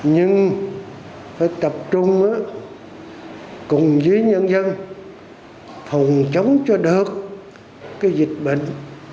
nhưng phải tập trung cùng với nhân dân phòng chống cho được cái dịch bệnh